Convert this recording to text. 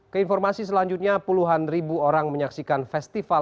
keinformasi selanjutnya puluhan ribu orang menyaksikan festival